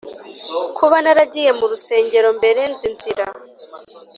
kuba naragiye mu rusengero mbere, nzi inzira.